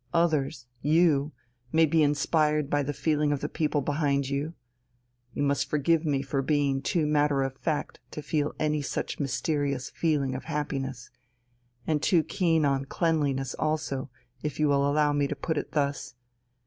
Others you may be inspired by the feeling of the people behind you. You must forgive me for being too matter of fact to feel any such mysterious feeling of happiness and too keen on cleanliness also, if you will allow me to put it thus.